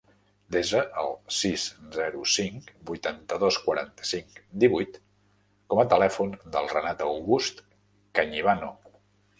Desa el sis, zero, cinc, vuitanta-dos, quaranta-cinc, divuit com a telèfon del Renat August Cañibano.